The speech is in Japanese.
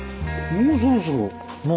もうそろそろ。